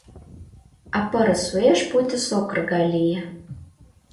А пырыс уэш пуйто сокыр гай лие.